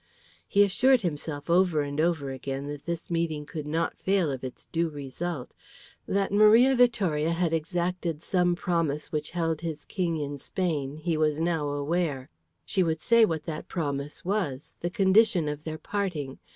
He assured himself over and over again that this meeting could not fail of its due result. That Maria Vittoria had exacted some promise which held his King in Spain he was now aware. She would say what that promise was, the condition of their parting.